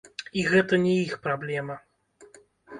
І гэта не іх праблема!